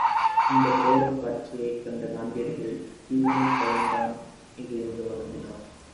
இந்தக் கோரக் காட்சியைக் கண்ட காந்தியடிகள் தீவினைப் பயன்தான் இது என்று வருந்தினார்.